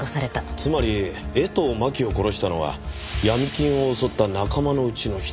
つまり江藤真紀を殺したのは闇金を襲った仲間のうちの１人。